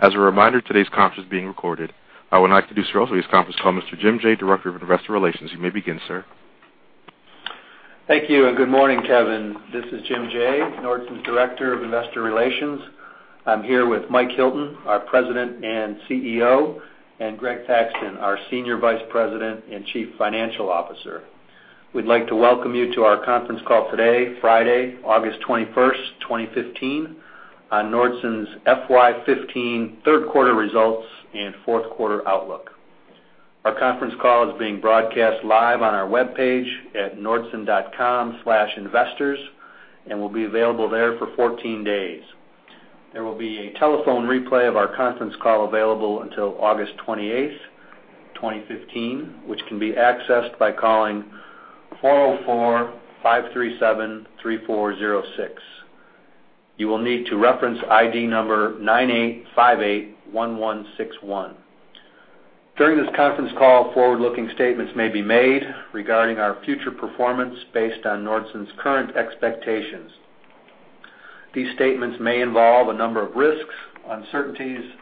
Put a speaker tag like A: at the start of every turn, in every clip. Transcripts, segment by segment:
A: As a reminder, today's conference is being recorded. I would like to introduce to this conference call Mr. James Jaye, Director of Investor Relations. You may begin, sir.
B: Thank you and good morning, Kevin. This is James Jaye, Nordson's Director of Investor Relations. I'm here with Michael Hilton, our President and CEO, and Gregory Thaxton, our Senior Vice President and Chief Financial Officer. We'd like to welcome you to our conference call today, Friday, August 21st, 2015, on Nordson's FY 2015 third quarter results and fourth quarter outlook. Our conference call is being broadcast live on our webpage at nordson.com/investors and will be available there for 14 days. There will be a telephone replay of our conference call available until August 28th, 2015, which can be accessed by calling 404-537-3406. You will need to reference ID number 98-58-11-61. During this conference call, forward-looking statements may be made regarding our future performance based on Nordson's current expectations. These statements may involve a number of risks, uncertainties,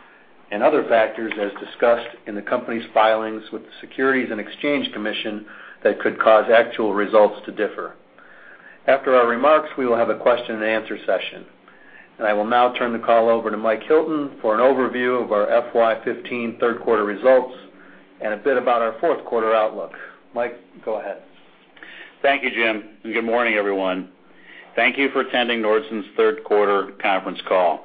B: and other factors as discussed in the company's filings with the Securities and Exchange Commission that could cause actual results to differ. After our remarks, we will have a question-and-answer session. I will now turn the call over to Michael Hilton for an overview of our FY 2015 third quarter results and a bit about our fourth quarter outlook. Mike, go ahead.
C: Thank you, Jim, and good morning, everyone. Thank you for attending Nordson's third quarter conference call.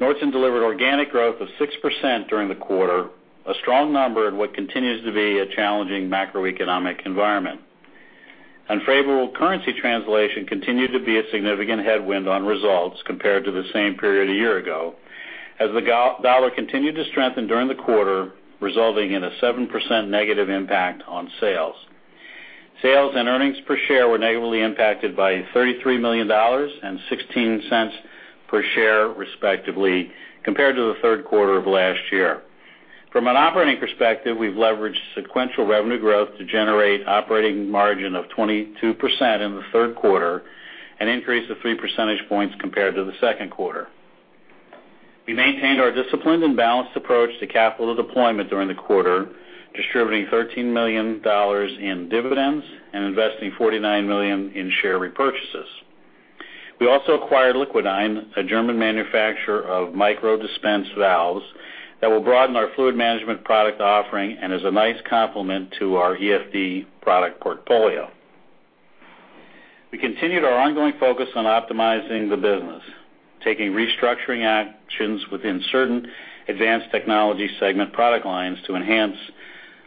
C: Nordson delivered organic growth of 6% during the quarter, a strong number in what continues to be a challenging macroeconomic environment. Unfavorable currency translation continued to be a significant headwind on results compared to the same period a year ago as the strong dollar continued to strengthen during the quarter, resulting in a 7% negative impact on sales. Sales and earnings per share were negatively impacted by $33 million and $0.16 per share, respectively, compared to the third quarter of last year. From an operating perspective, we've leveraged sequential revenue growth to generate operating margin of 22% in the third quarter, an increase of three percentage points compared to the second quarter. We maintained our disciplined and balanced approach to capital deployment during the quarter, distributing $13 million in dividends and investing $49 million in share repurchases. We also acquired Liquidyn, a German manufacturer of micro-dispensing valve that will broaden our fluid management product offering and is a nice complement to our EFD product portfolio. We continued our ongoing focus on optimizing the business, taking restructuring actions within certain Advanced Technology segment product lines to enhance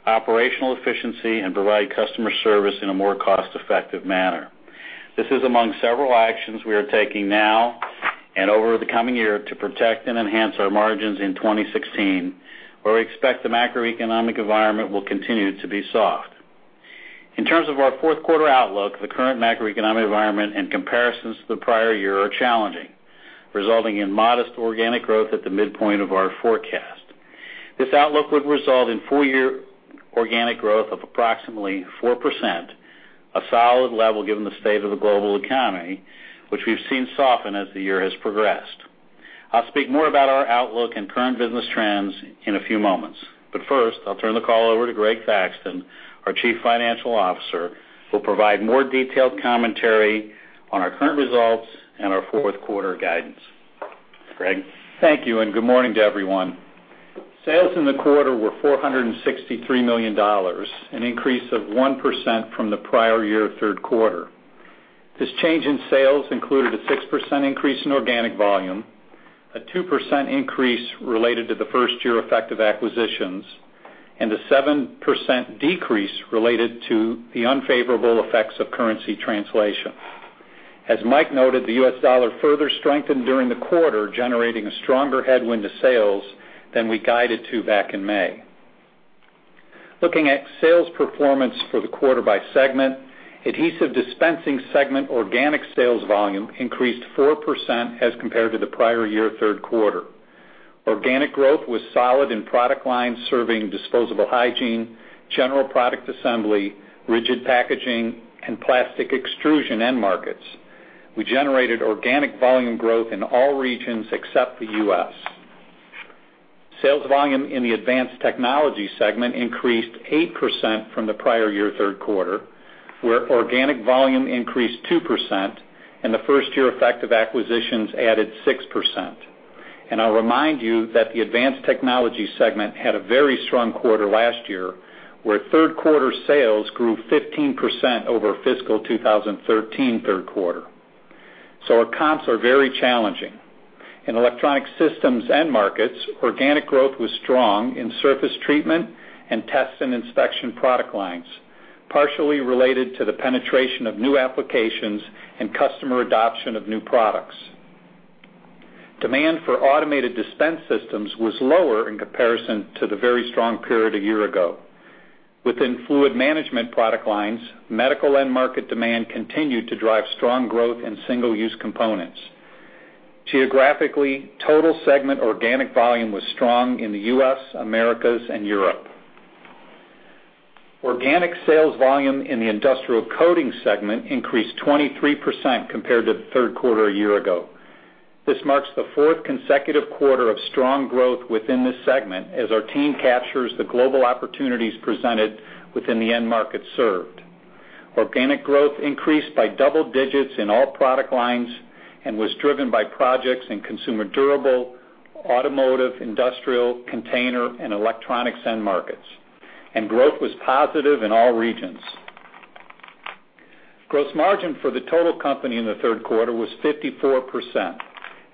C: operational efficiency and provide customer service in a more cost-effective manner. This is among several actions we are taking now and over the coming year to protect and enhance our margins in 2016, where we expect the macroeconomic environment will continue to be soft. In terms of our fourth quarter outlook, the current macroeconomic environment and comparisons to the prior year are challenging, resulting in modest organic growth at the midpoint of our forecast. This outlook would result in full year organic growth of approximately 4%, a solid level given the state of the global economy, which we've seen soften as the year has progressed. I'll speak more about our outlook and current business trends in a few moments, but first, I'll turn the call over to Gregory Thaxton, our Chief Financial Officer, who will provide more detailed commentary on our current results and our fourth quarter guidance. Greg?
D: Thank you, and good morning to everyone. Sales in the quarter were $463 million, an increase of 1% from the prior year third quarter. This change in sales included a 6% increase in organic volume, a 2% increase related to the first year effect of acquisitions, and a 7% decrease related to the unfavorable effects of currency translation. As Mike noted, the U.S. dollar further strengthened during the quarter, generating a stronger headwind to sales than we guided to back in May. Looking at sales performance for the quarter by segment, Adhesive Dispensing Systems segment organic sales volume increased 4% as compared to the prior year third quarter. Organic growth was solid in product lines serving disposable hygiene, general product assembly, rigid packaging, and plastic extrusion end markets. We generated organic volume growth in all regions except the U.S. Sales volume in the Advanced Technology segment increased 8% from the prior year third quarter, where organic volume increased 2% and the first year effect of acquisitions added 6%. I'll remind you that the Advanced Technology segment had a very strong quarter last year, where third quarter sales grew 15% over fiscal 2013 third quarter. Our comps are very challenging. In electronic systems end markets, organic growth was strong in surface treatment and Test & Inspection product lines, partially related to the penetration of new applications and customer adoption of new products. Demand for automated dispensing systems was lower in comparison to the very strong period a year ago. Within fluid management product lines, medical end market demand continued to drive strong growth in single-use components. Geographically, total segment organic volume was strong in the U.S., Americas, and Europe. Organic sales volume in the Industrial Coding segment increased 23% compared to the third quarter a year ago. This marks the fourth consecutive quarter of strong growth within this segment as our team captures the global opportunities presented within the end market served. Organic growth increased by double digits in all product lines and was driven by projects in consumer durable, automotive, industrial, container, and electronics end markets. Growth was positive in all regions. Gross margin for the total company in the third quarter was 54%.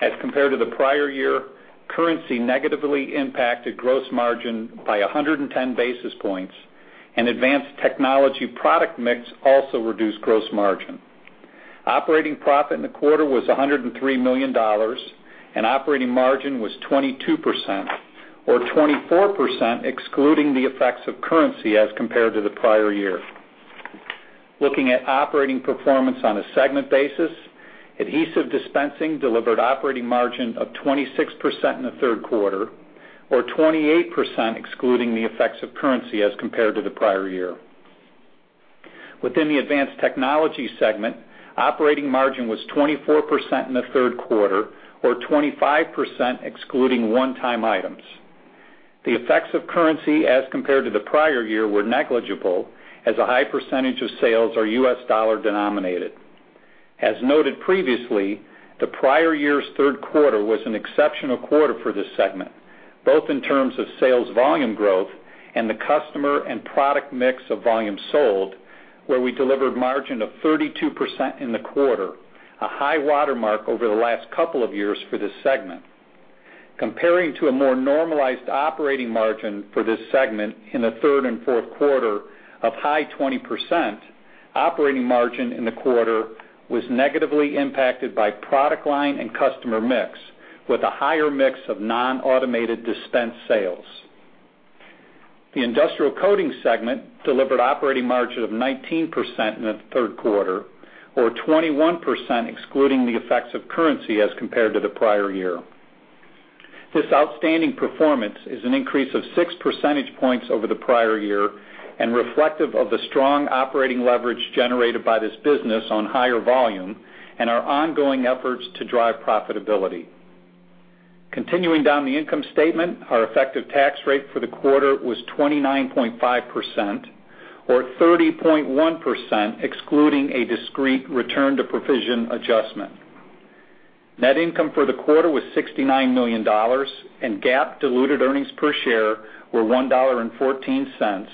D: As compared to the prior year, currency negatively impacted gross margin by 110 basis points, and Advanced Technology product mix also reduced gross margin. Operating profit in the quarter was $103 million, and operating margin was 22% or 24% excluding the effects of currency as compared to the prior year. Looking at operating performance on a segment basis, adhesive dispensing delivered operating margin of 26% in the third quarter, or 28% excluding the effects of currency as compared to the prior year. Within the advanced technology segment, operating margin was 24% in the third quarter, or 25% excluding one-time items. The effects of currency as compared to the prior year were negligible as a high percentage of sales are U.S. dollar denominated. As noted previously, the prior year's third quarter was an exceptional quarter for this segment, both in terms of sales volume growth and the customer and product mix of volume sold, where we delivered margin of 32% in the quarter, a high watermark over the last couple of years for this segment. Comparing to a more normalized operating margin for this segment in the third and fourth quarter of high 20%, operating margin in the quarter was negatively impacted by product line and customer mix, with a higher mix of non-automated dispense sales. The industrial coding segment delivered operating margin of 19% in the third quarter, or 21% excluding the effects of currency as compared to the prior year. This outstanding performance is an increase of 6 percentage points over the prior year and reflective of the strong operating leverage generated by this business on higher volume and our ongoing efforts to drive profitability. Continuing down the income statement, our effective tax rate for the quarter was 29.5%, or 30.1%, excluding a discrete return to provision adjustment. Net income for the quarter was $69 million, and GAAP diluted earnings per share were $1.14,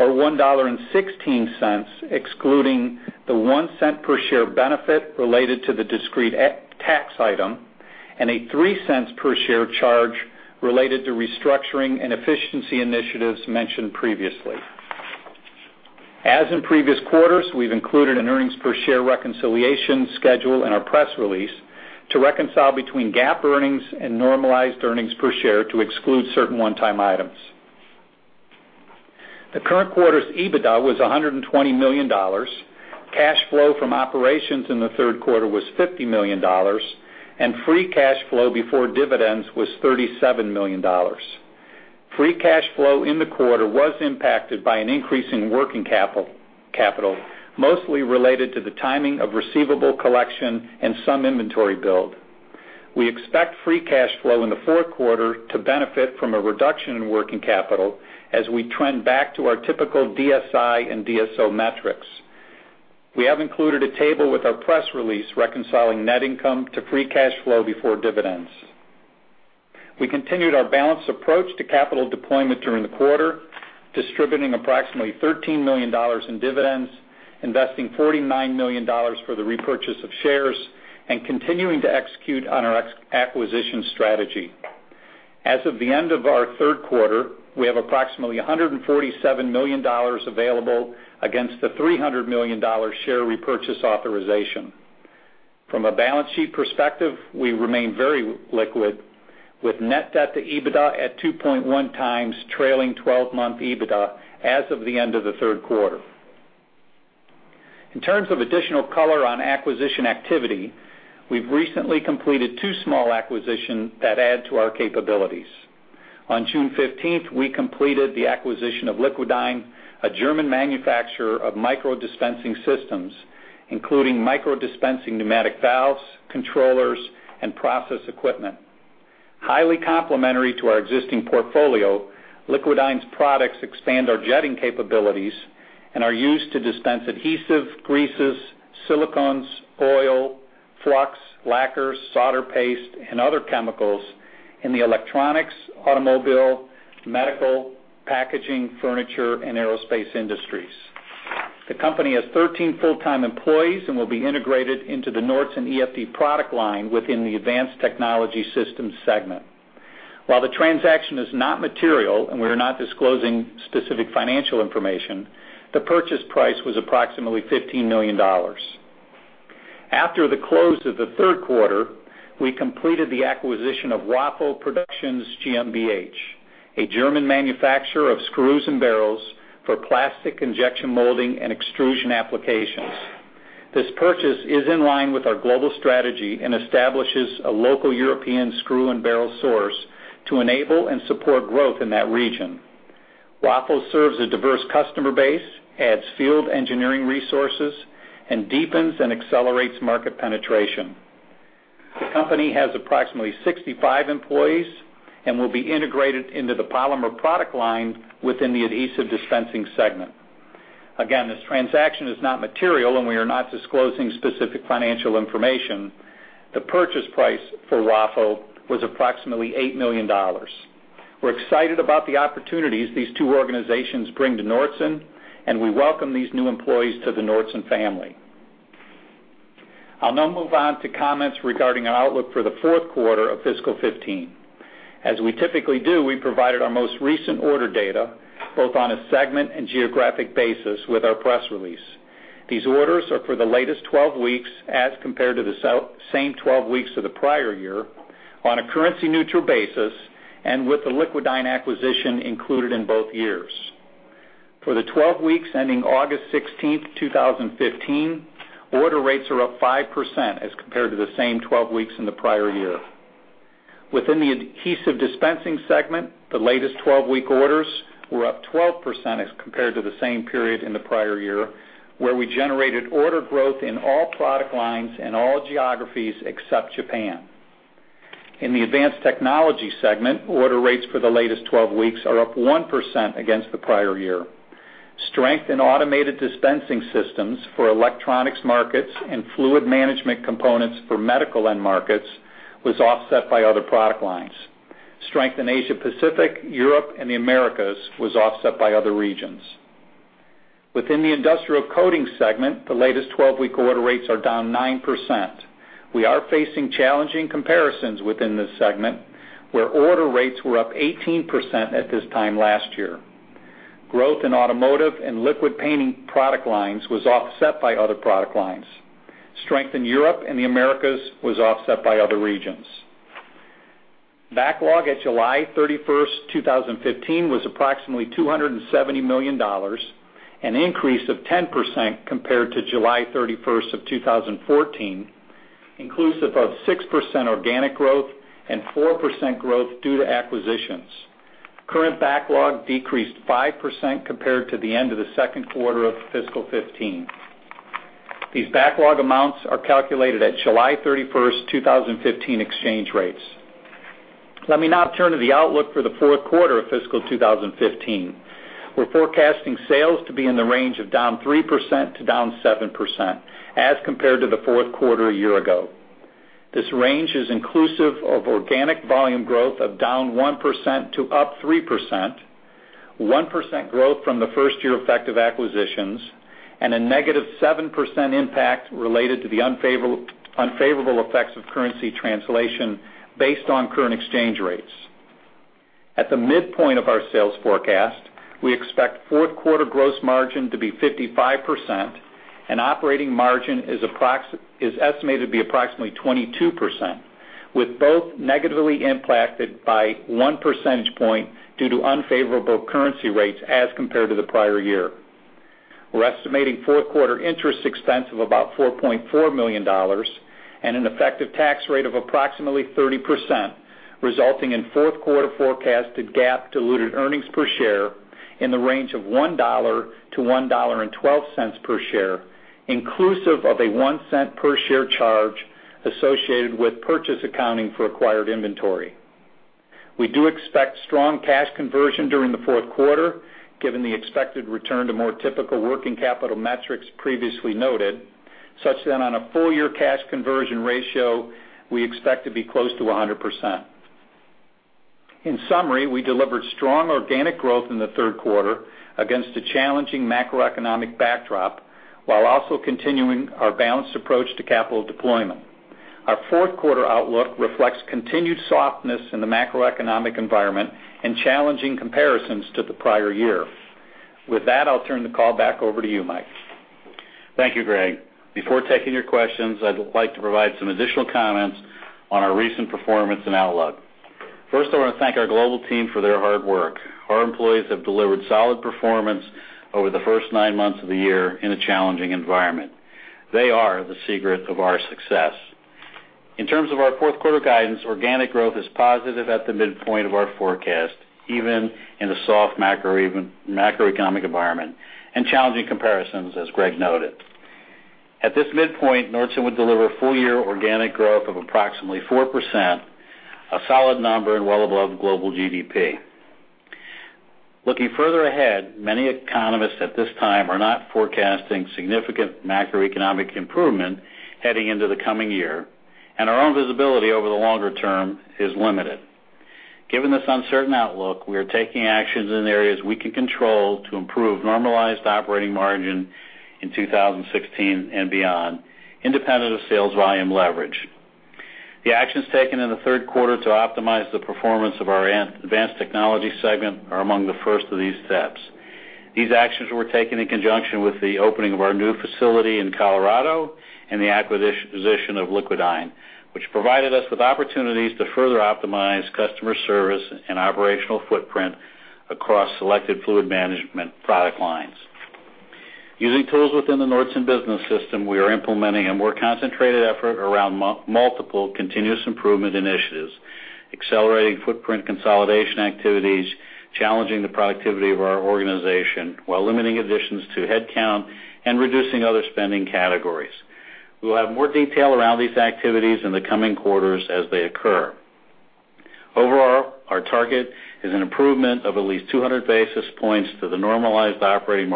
D: or $1.16, excluding the $0.01 per share benefit related to the discrete tax item and a $0.03 per share charge related to restructuring and efficiency initiatives mentioned previously. As in previous quarters, we've included an earnings per share reconciliation schedule in our press release to reconcile between GAAP earnings and normalized earnings per share to exclude certain one-time items. The current quarter's EBITDA was $120 million. Cash flow from operations in the third quarter was $50 million, and Free Cash Flow before dividends was $37 million. Free Cash Flow in the quarter was impacted by an increase in working capital, mostly related to the timing of receivable collection and some inventory build. We expect Free Cash Flow in the fourth quarter to benefit from a reduction in working capital as we trend back to our typical DSI and DSO metrics. We have included a table with our press release reconciling net income to Free Cash Flow before dividends. We continued our balanced approach to capital deployment during the quarter, distributing approximately $13 million in dividends, investing $49 million for the repurchase of shares, and continuing to execute on our acquisition strategy. As of the end of our third quarter, we have approximately $147 million available against the $300 million share repurchase authorization. From a balance sheet perspective, we remain very liquid, with net debt to EBITDA at 2.1x trailing 12-month EBITDA as of the end of the third quarter. In terms of additional color on acquisition activity, we've recently completed two small acquisition that add to our capabilities. On June 15, we completed the acquisition of Liquidyn, a German manufacturer of micro-dispensing systems, including micro-dispensing pneumatic valves, controllers, and process equipment. Highly complementary to our existing portfolio, Liquidyn's products expand our jetting capabilities and are used to dispense adhesive, greases, silicones, oil, flux, lacquers, solder paste, and other chemicals in the electronics, automobile, medical, packaging, furniture, and aerospace industries. The company has 13 full-time employees and will be integrated into the Nordson EFD product line within the Advanced Technology Systems segment. While the transaction is not material and we are not disclosing specific financial information, the purchase price was approximately $15 million. After the close of the third quarter, we completed the acquisition of WAFO Produktions GmbH, a German manufacturer of screws and barrels for plastic injection molding and extrusion applications. This purchase is in line with our global strategy and establishes a local European screw and barrel source to enable and support growth in that region. WAFO serves a diverse customer base, adds field engineering resources, and deepens and accelerates market penetration. The company has approximately 65 employees and will be integrated into the polymer product line within the Adhesive Dispensing Systems segment. Again, this transaction is not material, and we are not disclosing specific financial information. The purchase price for WAFO was approximately $8 million. We're excited about the opportunities these two organizations bring to Nordson, and we welcome these new employees to the Nordson family. I'll now move on to comments regarding our outlook for the fourth quarter of fiscal 2015. As we typically do, we provided our most recent order data, both on a segment and geographic basis, with our press release. These orders are for the latest 12 weeks as compared to the same 12 weeks of the prior year on a currency-neutral basis and with the Liquidyn acquisition included in both years. For the 12 weeks ending August 16, 2015, order rates are up 5% as compared to the same 12 weeks in the prior year. Within the Adhesive Dispensing Systems segment, the latest 12-week orders were up 12% as compared to the same period in the prior year, where we generated order growth in all product lines and all geographies except Japan. In the Advanced Technology Systems segment, order rates for the latest 12 weeks are up 1% against the prior year. Strength in automated dispensing systems for electronics markets and fluid management components for medical end markets was offset by other product lines. Strength in Asia Pacific, Europe, and the Americas was offset by other regions. Within the Industrial Coating segment, the latest 12-week order rates are down 9%. We are facing challenging comparisons within this segment, where order rates were up 18% at this time last year. Growth in automotive and liquid painting product lines was offset by other product lines. Strength in Europe and the Americas was offset by other regions. Backlog at July 31, 2015 was approximately $270 million, an increase of 10% compared to July 31, 2014, inclusive of 6% organic growth and 4% growth due to acquisitions. Current backlog decreased 5% compared to the end of the second quarter of fiscal 2015. These backlog amounts are calculated at July 31, 2015 exchange rates. Let me now turn to the outlook for the fourth quarter of fiscal 2015. We're forecasting sales to be in the range of down 3% to down 7% as compared to the fourth quarter a year ago. This range is inclusive of organic volume growth of down 1% to up 3%, 1% growth from the first year effect of acquisitions, and a negative 7% impact related to the unfavorable effects of currency translation based on current exchange rates. At the midpoint of our sales forecast, we expect fourth quarter gross margin to be 55%, and operating margin is estimated to be approximately 22%, with both negatively impacted by 1 percentage point due to unfavorable currency rates as compared to the prior year. We're estimating fourth quarter interest expense of about $4.4 million and an effective tax rate of approximately 30%, resulting in fourth quarter forecasted GAAP diluted earnings per share in the range of $1-$1.12 per share, inclusive of a $0.01 per share charge associated with purchase accounting for acquired inventory. We do expect strong cash conversion during the fourth quarter, given the expected return to more typical working capital metrics previously noted, such that on a full-year cash conversion ratio, we expect to be close to 100%. In summary, we delivered strong organic growth in the third quarter against a challenging macroeconomic backdrop while also continuing our balanced approach to capital deployment. Our fourth quarter outlook reflects continued softness in the macroeconomic environment and challenging comparisons to the prior year. With that, I'll turn the call back over to you, Mike.
C: Thank you, Greg. Before taking your questions, I'd like to provide some additional comments on our recent performance and outlook. First, I want to thank our global team for their hard work. Our employees have delivered solid performance over the first nine months of the year in a challenging environment. They are the secret of our success. In terms of our fourth quarter guidance, organic growth is positive at the midpoint of our forecast, even in a soft macroeconomic environment and challenging comparisons, as Greg noted. At this midpoint, Nordson would deliver full-year organic growth of approximately 4%, a solid number, and well above global GDP. Looking further ahead, many economists at this time are not forecasting significant macroeconomic improvement heading into the coming year, and our own visibility over the longer term is limited. Given this uncertain outlook, we are taking actions in areas we can control to improve normalized operating margin in 2016 and beyond, independent of sales volume leverage. The actions taken in the third quarter to optimize the performance of our Advanced Technology segment are among the first of these steps. These actions were taken in conjunction with the opening of our new facility in Colorado and the acquisition of Liquidyn, which provided us with opportunities to further optimize customer service and operational footprint across selected fluid management product lines. Using tools within the Nordson business system, we are implementing a more concentrated effort around multiple continuous improvement initiatives, accelerating footprint consolidation activities, challenging the productivity of our organization, while limiting additions to headcount and reducing other spending categories. We'll have more detail around these activities in the coming quarters as they occur. Overall, our target is an improvement of at least 200 basis points to the normalized operating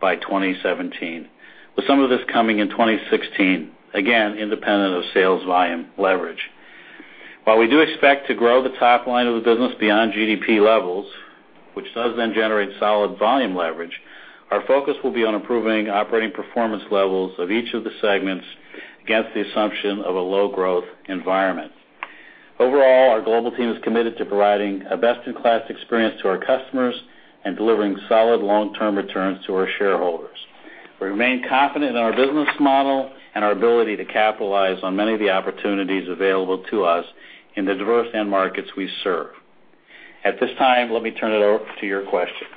C: margin by 2017, with some of this coming in 2016, again, independent of sales volume leverage. While we do expect to grow the top line of the business beyond GDP levels, which does then generate solid volume leverage, our focus will be on improving operating performance levels of each of the segments against the assumption of a low growth environment. Overall, our global team is committed to providing a best-in-class experience to our customers and delivering solid long-term returns to our shareholders. We remain confident in our business model and our ability to capitalize on many of the opportunities available to us in the diverse end markets we serve. At this time, let me turn it over to your questions.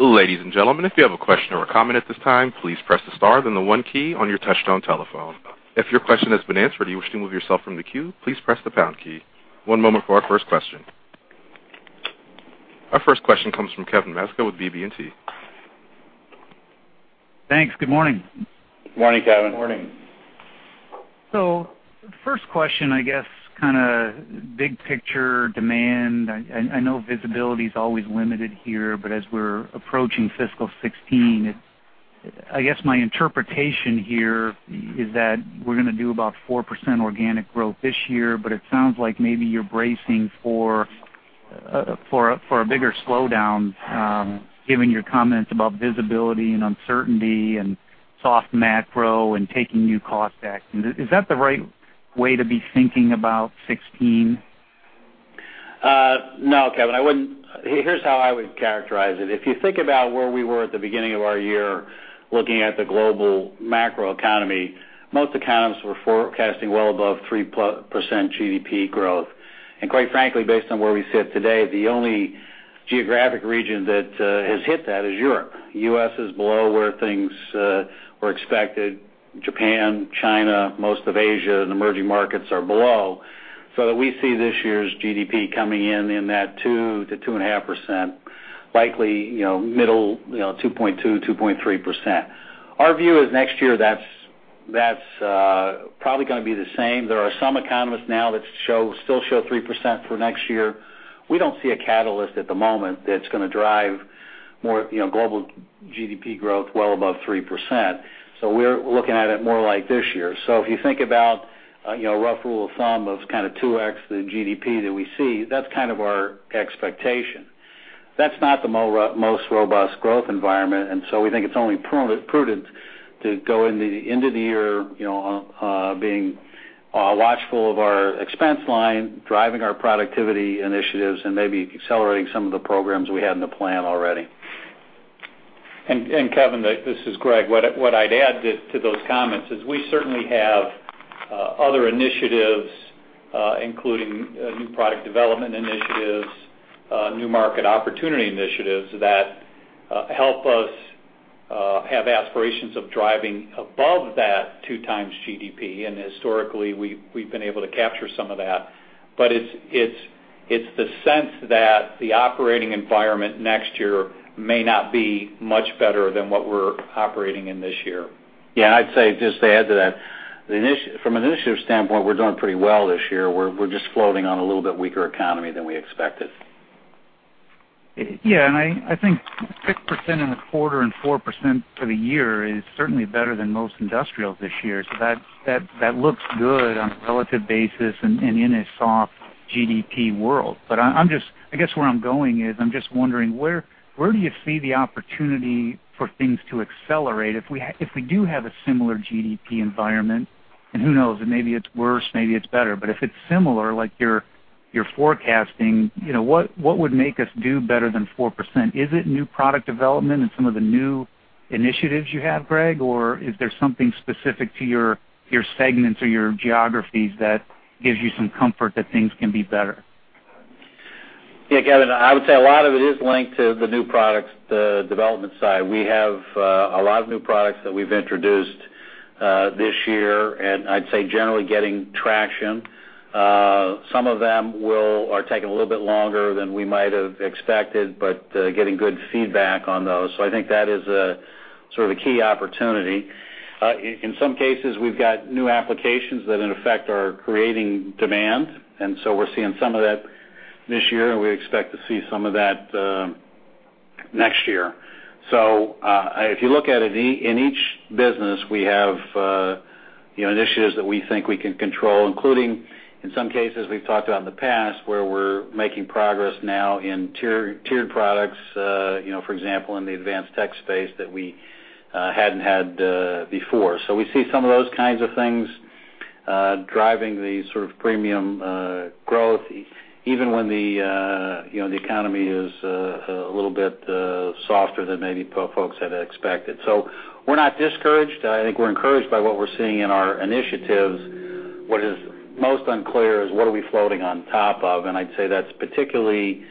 A: Ladies and gentlemen, if you have a question or a comment at this time, please press the star, then the one key on your touchtone telephone. If your question has been answered or you wish to move yourself from the queue, please press the pound key. One moment for our first question. Our first question comes from Kevin Maczka with BB&T.
E: Thanks. Good morning.
C: Morning, Kevin.
D: Morning.
E: First question, I guess kind of big picture demand. I know visibility is always limited here, but as we're approaching fiscal 2016, I guess my interpretation here is that we're gonna do about 4% organic growth this year, but it sounds like maybe you're bracing for a bigger slowdown, given your comments about visibility and uncertainty and soft macro and taking new cost actions. Is that the right way to be thinking about 2016?
C: No, Kevin, I wouldn't. Here's how I would characterize it. If you think about where we were at the beginning of our year, looking at the global macro economy, most economists were forecasting well above 3+% GDP growth. Quite frankly, based on where we sit today, the only geographic region that has hit that is Europe. U.S. is below where things were expected. Japan, China, most of Asia and emerging markets are below. We see this year's GDP coming in in that 2%-2.5%, likely, you know, middle, you know, 2.2%-2.3%. Our view is next year, that's probably gonna be the same. There are some economists now that show 3% for next year. We don't see a catalyst at the moment that's gonna drive more, you know, global GDP growth well above 3%. We're looking at it more like this year. If you think about, you know, rough rule of thumb of kind of 2x the GDP that we see, that's kind of our expectation. That's not the most robust growth environment, and we think it's only prudent to go into the end of the year, you know, being watchful of our expense line, driving our productivity initiatives, and maybe accelerating some of the programs we had in the plan already.
D: Kevin, this is Greg. What I'd add to those comments is we certainly have other initiatives, including new product development initiatives, new market opportunity initiatives that help us have aspirations of driving above that two times GDP. Historically, we've been able to capture some of that. It's the sense that the operating environment next year may not be much better than what we're operating in this year.
C: Yeah, I'd say, just to add to that, from an initiative standpoint, we're doing pretty well this year. We're just floating on a little bit weaker economy than we expected.
E: Yeah, I think 6% in the quarter and 4% for the year is certainly better than most industrials this year. That looks good on a relative basis and in a soft GDP world. I'm just, I guess where I'm going is, I'm just wondering, where do you see the opportunity for things to accelerate if we do have a similar GDP environment? Who knows? Maybe it's worse, maybe it's better. If it's similar, like you're forecasting, you know, what would make us do better than 4%? Is it new product development and some of the new initiatives you have, Greg? Or is there something specific to your segments or your geographies that gives you some comfort that things can be better?
C: Yeah, Kevin, I would say a lot of it is linked to the new products, the development side. We have a lot of new products that we've introduced this year, and I'd say generally getting traction. Some of them are taking a little bit longer than we might have expected, but getting good feedback on those. I think that is a sort of key opportunity. In some cases, we've got new applications that in effect are creating demand, and so we're seeing some of that this year, and we expect to see some of that next year. If you look at it, in each business, we have, you know, initiatives that we think we can control, including in some cases we've talked about in the past, where we're making progress now in tiered products, you know, for example, in the advanced tech space that we hadn't had before. We see some of those kinds of things driving the sort of premium growth even when you know, the economy is a little bit softer than maybe folks had expected. We're not discouraged. I think we're encouraged by what we're seeing in our initiatives. What is most unclear is what are we floating on top of, and I'd say that's particularly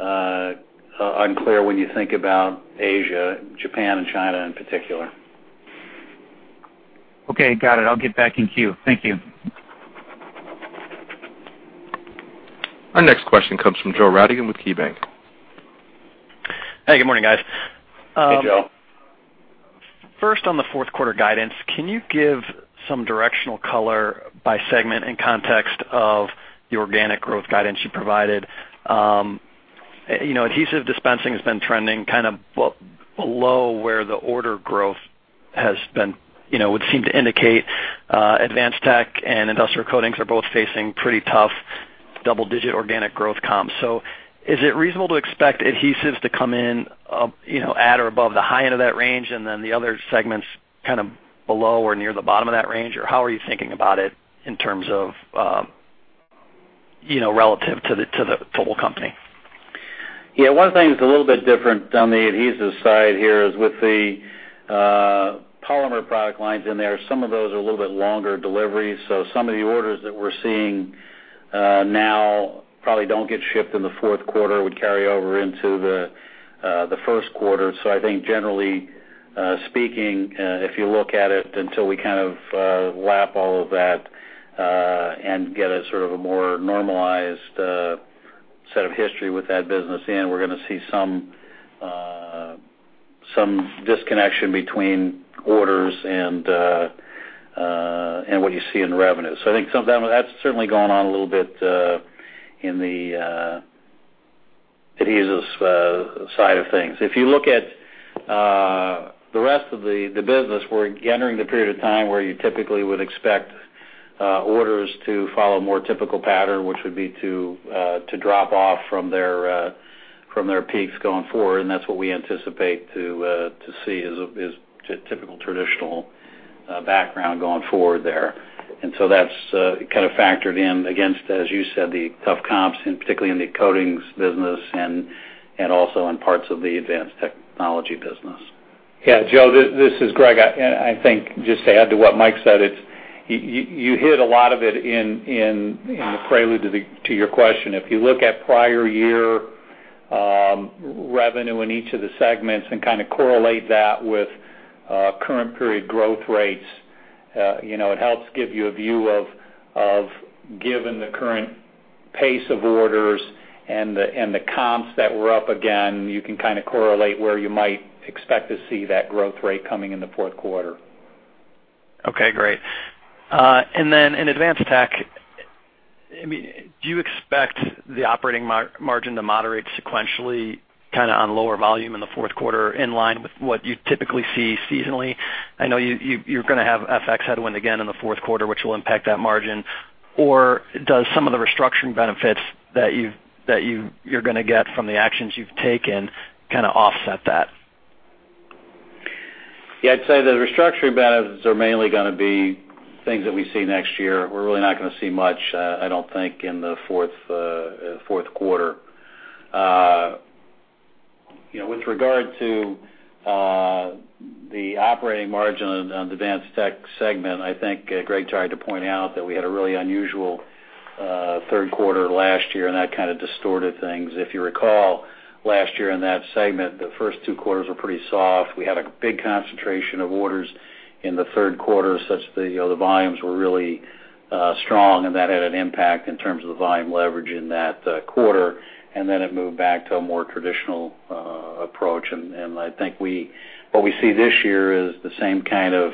C: unclear when you think about Asia, Japan and China in particular.
E: Okay, got it. I'll get back in queue. Thank you.
A: Our next question come from Joe Radigan with KeyBanc.
F: Hey, good morning, guys.
C: Hey, Joe.
F: First, on the fourth quarter guidance, can you give some directional color by segment in context of the organic growth guidance you provided? You know, adhesive dispensing has been trending kind of below where the order growth has been, you know, would seem to indicate, advanced tech and industrial coatings are both facing pretty tough double-digit organic growth comps. Is it reasonable to expect adhesives to come in, you know, at or above the high end of that range, and then the other segments kind of below or near the bottom of that range? Or how are you thinking about it in terms of, you know, relative to the, to the total company?
C: Yeah, one of the things that's a little bit different on the adhesives side here is with the polymer product lines in there, some of those are a little bit longer delivery. Some of the orders that we're seeing now probably don't get shipped in the fourth quarter, would carry over into the first quarter. I think generally speaking, if you look at it until we kind of lap all of that and get a sort of a more normalized set of history with that business in, we're gonna see some disconnection between orders and what you see in revenue. Some of that that's certainly gone on a little bit in the adhesives side of things. If you look at the rest of the business, we're entering the period of time where you typically would expect orders to follow a more typical pattern, which would be to drop off from their peaks going forward, and that's what we anticipate to see is typical traditional background going forward there. That's kind of factored in against, as you said, the tough comps, and particularly in the coatings business and also in parts of the advanced technology business.
D: Yeah, Joe, this is Greg. And I think just to add to what Mike said, it's you hit a lot of it in the prelude to your question. If you look at prior year revenue in each of the segments and kinda correlate that with current period growth rates, you know, it helps give you a view of given the current pace of orders and the comps that were up again, you can kinda correlate where you might expect to see that growth rate coming in the fourth quarter.
F: Okay, great. In advanced tech, I mean, do you expect the operating margin to moderate sequentially, kinda on lower volume in the fourth quarter, in line with what you typically see seasonally? I know you're gonna have FX headwind again in the fourth quarter, which will impact that margin. Does some of the restructuring benefits that you're gonna get from the actions you've taken kinda offset that?
C: Yeah, I'd say the restructuring benefits are mainly gonna be things that we see next year. We're really not gonna see much, I don't think, in the fourth quarter. You know, with regard to the operating margin on the Advanced Technology segment, I think Greg tried to point out that we had a really unusual third quarter last year, and that kinda distorted things. If you recall, last year in that segment, the first two quarters were pretty soft. We had a big concentration of orders in the third quarter, such that the, you know, the volumes were really strong, and that had an impact in terms of the volume leverage in that quarter. Then it moved back to a more traditional approach. I think what we see this year is the same kind of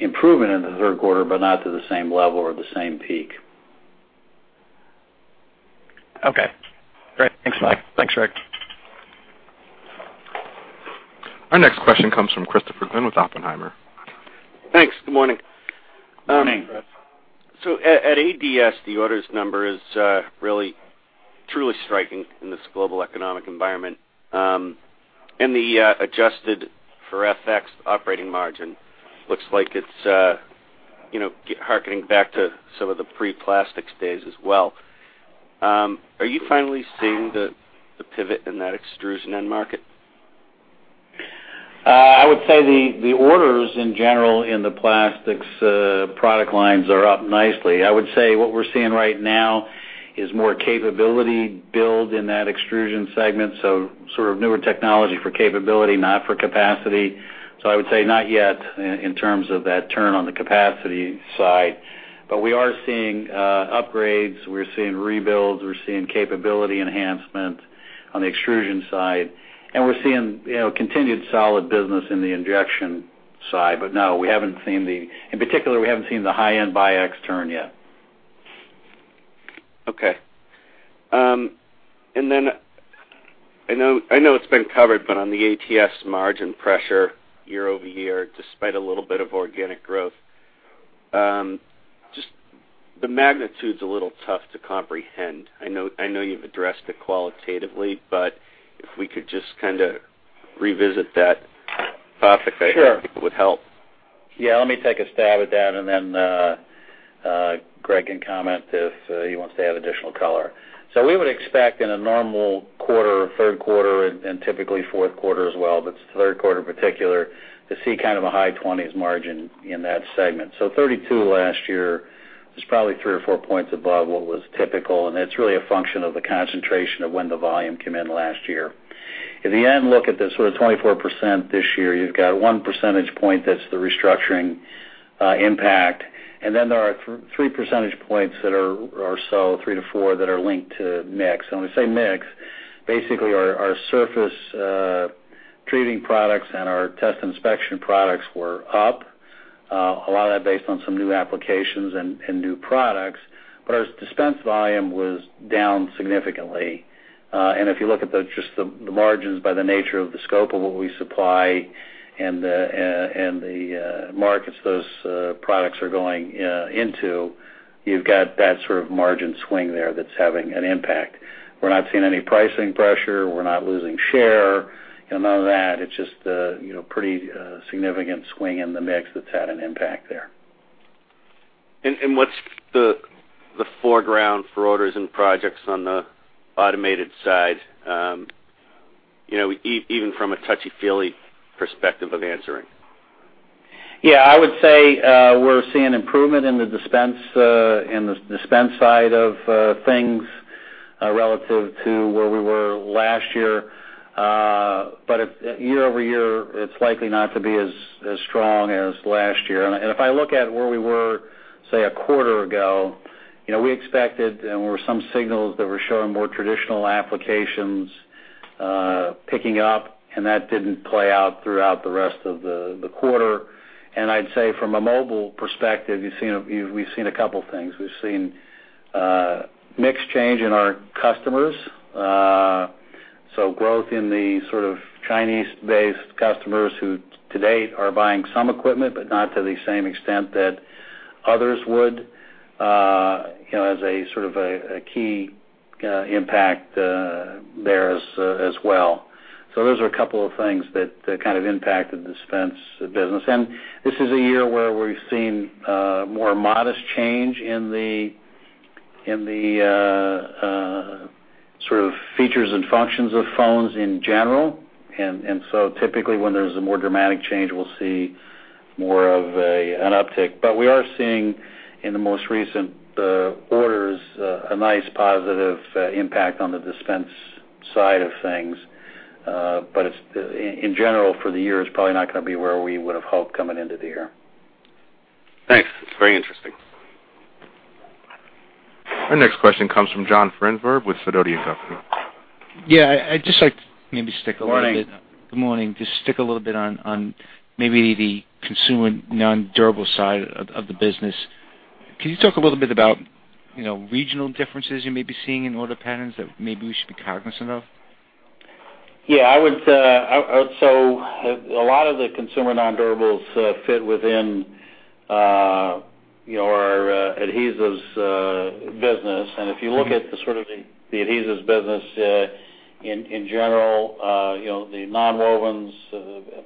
C: improvement in the third quarter, but not to the same level or the same peak.
F: Okay, great. Thanks, Mike. Thanks, Greg.
A: Our next question comes from Christopher Glynn with Oppenheimer.
G: Thanks. Good morning.
C: Morning.
G: At ADS, the orders number is really truly striking in this global economic environment. The adjusted-for-FX operating margin looks like it's, you know, hearkening back to some of the pre-plastics days as well. Are you finally seeing the pivot in that extrusion end market?
C: I would say the orders in general in the plastics product lines are up nicely. I would say what we're seeing right now is more capability build in that extrusion segment, so sort of newer technology for capability, not for capacity. I would say not yet in terms of that turn on the capacity side. We are seeing upgrades. We're seeing rebuilds. We're seeing capability enhancements on the extrusion side. We're seeing, you know, continued solid business in the injection side. No, in particular, we haven't seen the high-end Biax turn yet.
G: Okay. I know it's been covered, but on the ATS margin pressure year-over-year, despite a little bit of organic growth, just the magnitude's a little tough to comprehend. I know you've addressed it qualitatively, but if we could just kinda revisit that topic.
C: Sure.
G: I think it would help.
C: Yeah, let me take a stab at that, and then Greg can comment if he wants to add additional color. We would expect in a normal quarter, third quarter and typically fourth quarter as well, but third quarter in particular, to see kind of a high 20s margin in that segment. 32 last year was probably 3 or 4 points above what was typical, and it's really a function of the concentration of when the volume came in last year. If you then look at the sort of 24% this year, you've got one percentage point that's the restructuring impact. Then there are three percentage points or so, three to four, that are linked to mix. When we say mix, basically our surface treating products and our Test & Inspection products were up, a lot of that based on some new applications and new products, but our dispense volume was down significantly. If you look at just the margins by the nature of the scope of what we supply and the markets those products are going into, you've got that sort of margin swing there that's having an impact. We're not seeing any pricing pressure. We're not losing share, you know, none of that. It's just a, you know, pretty significant swing in the mix that's had an impact there.
G: What's the foreground for orders and projects on the automated side, you know, even from a touchy-feely perspective of answering?
C: Yeah, I would say we're seeing improvement in the dispense side of things relative to where we were last year. If year-over-year, it's likely not to be as strong as last year. If I look at where we were, say, a quarter ago, you know, we expected and there were some signals that were showing more traditional applications picking up, and that didn't play out throughout the rest of the quarter. I'd say from a mobile perspective, we've seen a couple things. We've seen mix change in our customers. Growth in the sort of Chinese-based customers who to date are buying some equipment, but not to the same extent that others would, as a sort of a key impact there as well. Those are a couple of things that kind of impacted the dispense business. This is a year where we've seen more modest change in the sort of features and functions of phones in general. Typically, when there's a more dramatic change, we'll see more of an uptick. We are seeing in the most recent orders a nice positive impact on the dispense side of things. In general for the year, it's probably not gonna be where we would've hoped coming into the year.
G: Thanks. It's very interesting.
A: Our next question comes from John Franzreb with Sidoti & Company.
H: Yeah, I'd just like to maybe stick a little bit.
C: Morning.
H: Good morning. Just stick a little bit on maybe the consumer nondurable side of the business. Can you talk a little bit about, you know, regional differences you may be seeing in order patterns that maybe we should be cognizant of?
C: A lot of the consumer nondurables fit within, you know, our adhesives business. If you look at sort of the adhesives business in general, you know, the nonwovens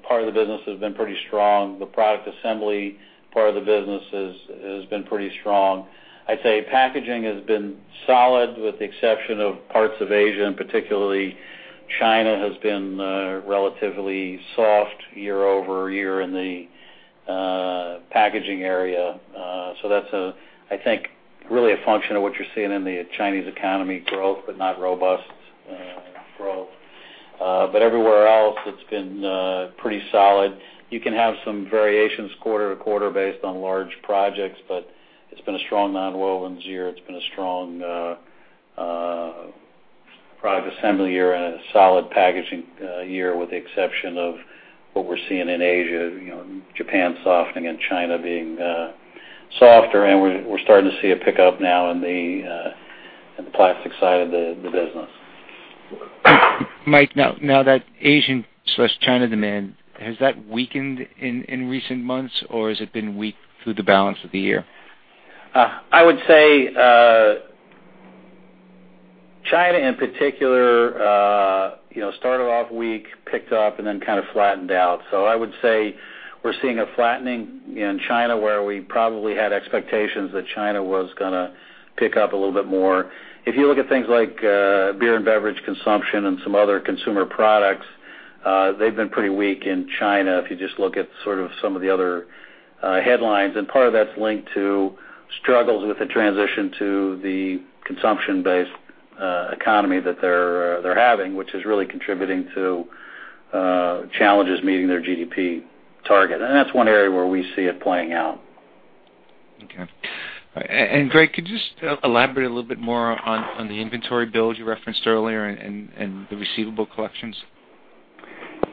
C: part of the business has been pretty strong. The product assembly part of the business has been pretty strong. I'd say packaging has been solid with the exception of parts of Asia, and particularly China has been relatively soft year-over-year in the packaging area. That's, I think, really a function of what you're seeing in the Chinese economy growth, but not robust growth. Everywhere else, it's been pretty solid. You can have some variations quarter to quarter based on large projects, but it's been a strong nonwovens year. It's been a strong product assembly year and a solid packaging year with the exception of what we're seeing in Asia, you know, Japan softening and China being softer. We're starting to see a pickup now in the plastic side of the business.
H: Mike, now that Asia/China demand has that weakened in recent months, or has it been weak through the balance of the year?
C: I would say, China in particular, you know, started off weak, picked up and then kind of flattened out. I would say we're seeing a flattening in China, where we probably had expectations that China was gonna pick up a little bit more. If you look at things like, beer and beverage consumption and some other consumer products, they've been pretty weak in China, if you just look at sort of some of the other, headlines. Part of that's linked to struggles with the transition to the consumption-based, economy that they're having, which is really contributing to, challenges meeting their GDP target. That's one area where we see it playing out.
H: Okay. Greg, could you just elaborate a little bit more on the inventory build you referenced earlier and the receivable collections?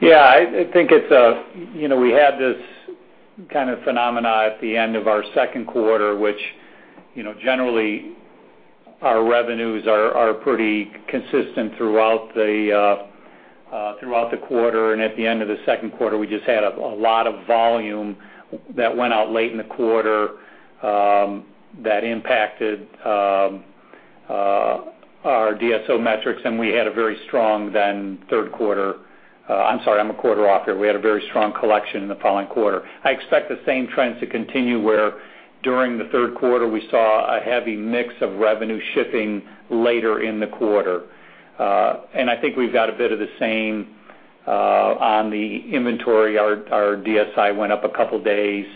D: I think it's-- You know, we had this kind of phenomenon at the end of our second quarter, which, you know, generally our revenues are pretty consistent throughout the quarter. At the end of the second quarter, we just had a lot of volume that went out late in the quarter that impacted our DSO metrics, and we had a very strong in the third quarter. I'm sorry, I'm a quarter off here. We had a very strong collection in the following quarter. I expect the same trends to continue, where during the third quarter, we saw a heavy mix of revenue shipping later in the quarter. I think we've got a bit of the same on the inventory. Our DSI went up a couple days,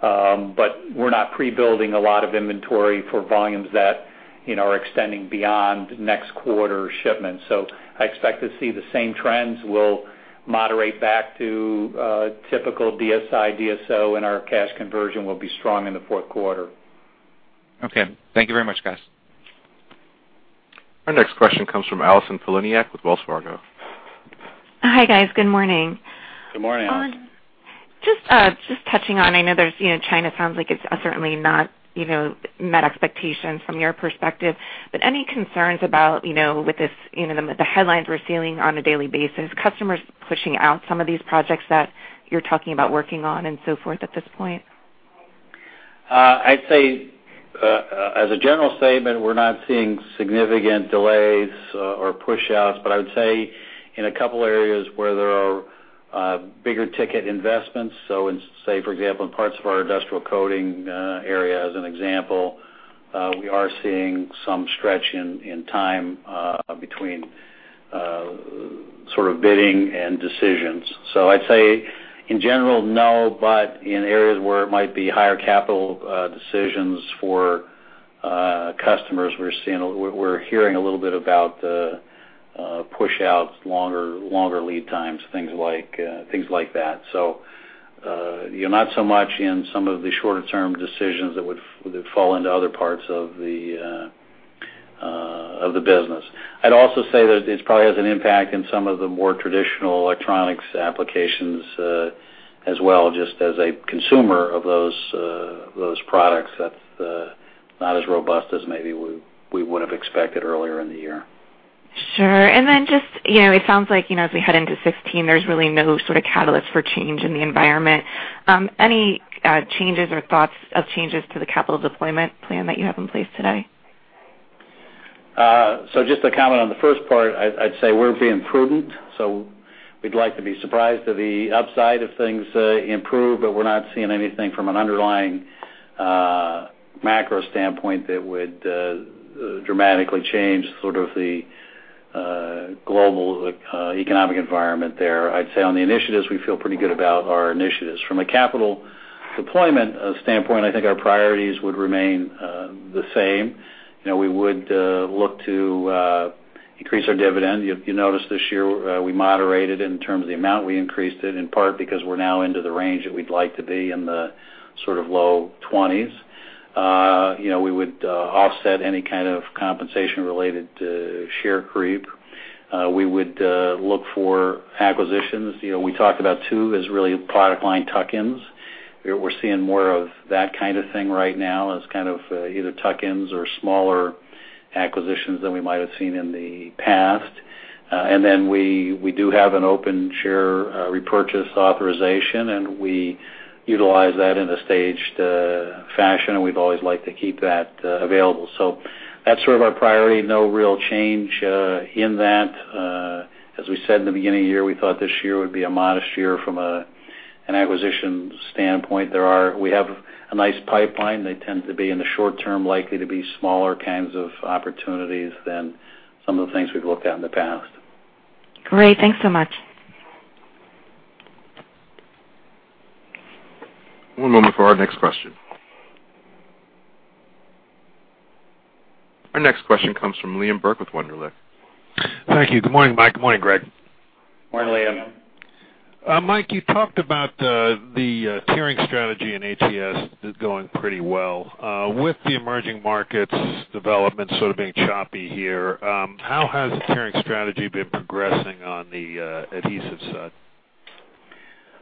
D: but we're not pre-building a lot of inventory for volumes that, you know, are extending beyond next quarter shipments. I expect to see the same trends will moderate back to typical DSI, DSO, and our cash conversion will be strong in the fourth quarter.
H: Okay. Thank you very much, guys.
A: Our next question comes from Allison Poliniak with Wells Fargo.
I: Hi, guys. Good morning.
C: Good morning, Allison.
I: Just touching on, I know there's, you know, China sounds like it's certainly not, you know, met expectations from your perspective, but any concerns about, you know, with this, you know, the headlines we're seeing on a daily basis, customers pushing out some of these projects that you're talking about working on and so forth at this point?
C: I'd say, as a general statement, we're not seeing significant delays or pushouts, but I would say in a couple areas where there are bigger ticket investments, so in, say, for example, in parts of our Industrial Coding area as an example, we are seeing some stretch in time between sort of bidding and decisions. I'd say in general, no, but in areas where it might be higher capital decisions for customers, we're hearing a little bit about pushouts, longer lead times, things like that. You know, not so much in some of the shorter term decisions that would fall into other parts of the business. I'd also say that this probably has an impact in some of the more traditional electronics applications, as well, just as a consumer of those products that's not as robust as maybe we would've expected earlier in the year.
I: Sure. Just, you know, it sounds like, you know, as we head into 2016, there's really no sort of catalyst for change in the environment. Any changes or thoughts of changes to the capital deployment plan that you have in place today?
C: Just to comment on the first part, I'd say we're being prudent. We'd like to be surprised at the upside if things improve, but we're not seeing anything from an underlying macro standpoint that would dramatically change sort of the global economic environment there. I'd say on the initiatives, we feel pretty good about our initiatives. From a capital deployment standpoint, I think our priorities would remain the same. You know, we would look to increase our dividend. You noticed this year we moderated in terms of the amount we increased it, in part because we're now into the range that we'd like to be in the sort of low twenties. You know, we would offset any kind of compensation related to share creep. We would look for acquisitions. You know, we talked about too as really product line tuck-ins. We're seeing more of that kind of thing right now as kind of either tuck-ins or smaller acquisitions than we might have seen in the past. Then we do have an open share repurchase authorization, and we utilize that in a staged fashion. We've always liked to keep that available. That's sort of our priority. No real change in that. As we said in the beginning of the year, we thought this year would be a modest year from an acquisition standpoint. We have a nice pipeline. They tend to be, in the short term, likely to be smaller kinds of opportunities than some of the things we've looked at in the past.
I: Great. Thanks so much.
A: One moment for our next question. Our next question comes from Liam Burke with Wunderlich.
J: Thank you. Good morning, Mike. Good morning, Greg.
C: Morning, Liam.
J: Mike, you talked about the tiering strategy in ATS going pretty well. With the emerging markets development sort of being choppy here, how has the tiering strategy been progressing on the adhesive side?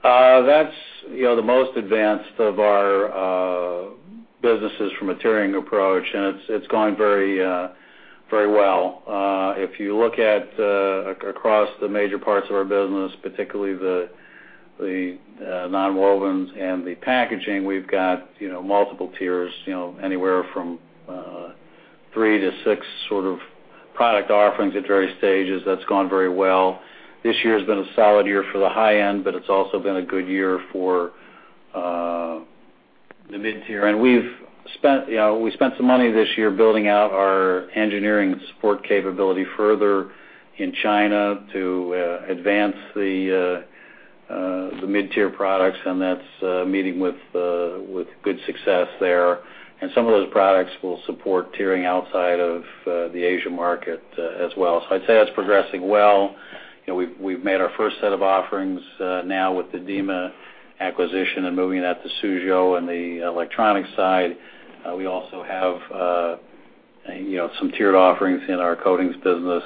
C: That's, you know, the most advanced of our businesses from a tiering approach, and it's going very well. If you look at across the major parts of our business, particularly the nonwovens and the packaging, we've got, you know, multiple tiers, you know, anywhere from three to six sort of product offerings at various stages. That's gone very well. This year has been a solid year for the high end, but it's also been a good year for the mid-tier. We've spent, you know, some money this year building out our engineering support capability further in China to advance the mid-tier products, and that's meeting with good success there. Some of those products will support tiering outside of the Asia market, as well. I'd say that's progressing well. You know, we've made our first set of offerings now with the DIMA acquisition and moving that to Suzhou and the electronics side. We also have you know, some tiered offerings in our coatings business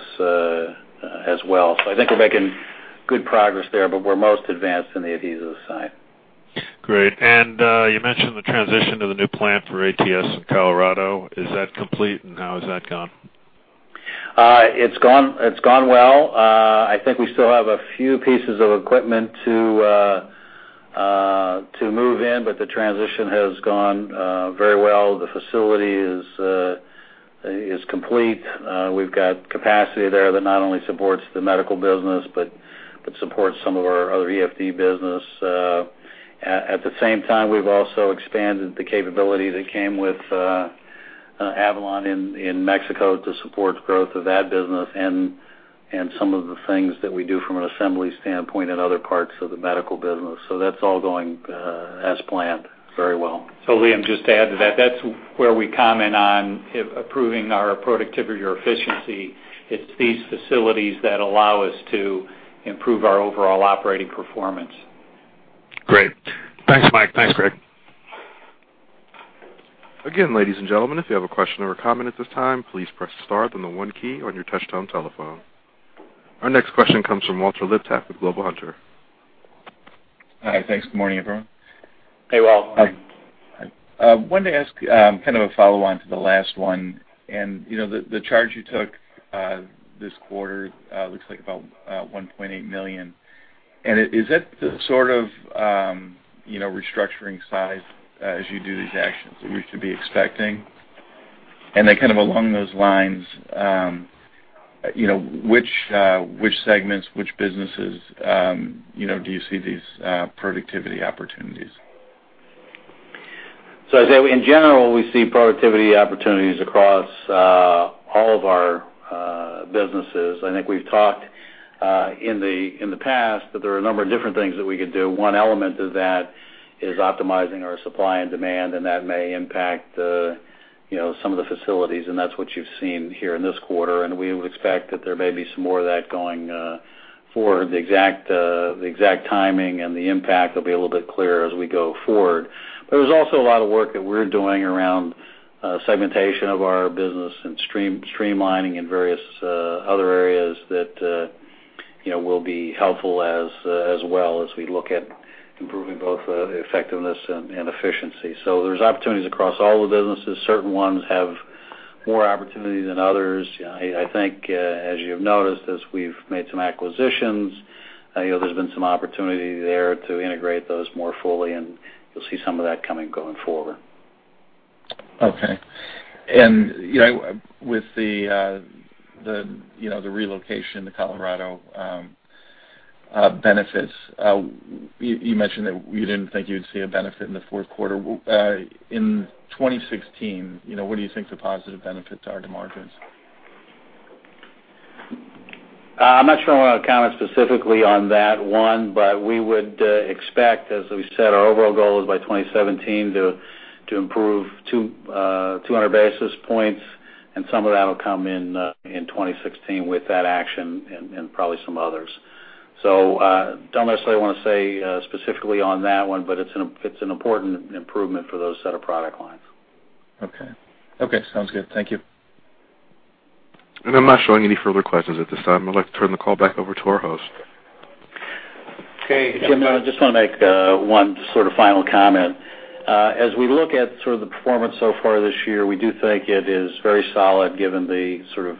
C: as well. I think we're making good progress there, but we're most advanced in the adhesives side.
J: Great. You mentioned the transition to the new plant for ATS in Colorado. Is that complete, and how has that gone?
C: It's gone well. I think we still have a few pieces of equipment to move in, but the transition has gone very well. The facility is complete. We've got capacity there that not only supports the medical business, but supports some of our other EFD business. At the same time, we've also expanded the capability that came with Avalon in Mexico to support growth of that business and some of the things that we do from an assembly standpoint in other parts of the medical business. That's all going as planned very well.
D: Liam, just to add to that's where we comment on improving our productivity or efficiency. It's these facilities that allow us to improve our overall operating performance.
J: Great. Thanks, Mike. Thanks, Greg.
A: Again, ladies and gentlemen, if you have a question or a comment at this time, please press star then the one key on your touchtone telephone. Our next question comes from Walter Liptak with Global Hunter Securities.
K: Hi. Thanks. Good morning, everyone.
C: Hey, Walter.
K: Wanted to ask kind of a follow-on to the last one. You know, the charge you took this quarter looks like about $1.8 million. Is that the sort of, you know, restructuring size as you do these actions that we should be expecting? Kind of along those lines, you know, which segments, which businesses, you know, do you see these productivity opportunities?
C: I'd say, in general, we see productivity opportunities across all of our businesses. I think we've talked in the past that there are a number of different things that we could do. One element of that is optimizing our supply and demand, and that may impact you know, some of the facilities, and that's what you've seen here in this quarter. We would expect that there may be some more of that going forward. The exact timing and the impact will be a little bit clearer as we go forward. There's also a lot of work that we're doing around segmentation of our business and streamlining in various other areas that you know, will be helpful as well as we look at improving both effectiveness and efficiency. There's opportunities across all the businesses. Certain ones have more opportunity than others. You know, I think, as you have noticed, as we've made some acquisitions, I know there's been some opportunity there to integrate those more fully, and you'll see some of that coming going forward.
K: Okay. You know, with the relocation to Colorado benefits, you mentioned that you didn't think you would see a benefit in the fourth quarter. In 2016, you know, what do you think the positive benefits are to margins?
C: I'm not sure I wanna comment specifically on that one, but we would expect, as we said, our overall goal is by 2017 to improve 200 basis points, and some of that'll come in 2016 with that action and probably some others. Don't necessarily wanna say specifically on that one, but it's an important improvement for those set of product lines.
K: Okay. Okay, sounds good. Thank you.
A: I'm not showing any further questions at this time. I'd like to turn the call back over to our host.
C: Okay. Jim, I just wanna make one sort of final comment. As we look at sort of the performance so far this year, we do think it is very solid given the sort of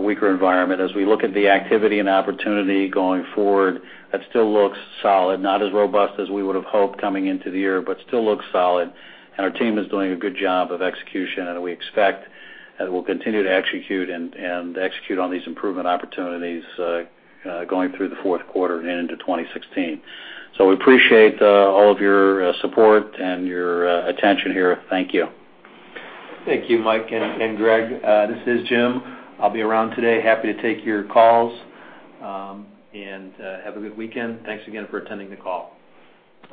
C: weaker environment. As we look at the activity and opportunity going forward, that still looks solid. Not as robust as we would've hoped coming into the year, but still looks solid, and our team is doing a good job of execution, and we expect that we'll continue to execute and execute on these improvement opportunities going through the fourth quarter and into 2016. We appreciate all of your support and your attention here. Thank you.
B: Thank you, Mike and Greg. This is Jim. I'll be around today. Happy to take your calls. Have a good weekend. Thanks again for attending the call.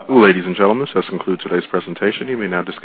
A: Ladies and gentlemen, this concludes today's presentation. You may now disconnect.